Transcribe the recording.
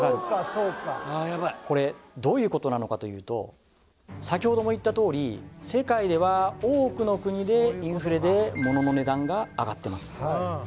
これどういうことなのかというと先ほども言ったとおり世界では多くの国でインフレでモノの値段が上がってます